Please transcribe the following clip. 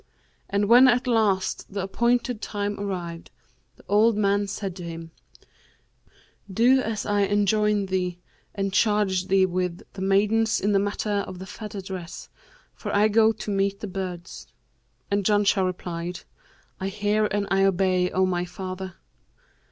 And when at last the appointed time arrived the old man said to him, 'Do as I enjoined thee and charged thee with the maidens in the matter of the feather dress, for I go to meet the birds;' and Janshah replied, 'I hear and I obey, O my father.'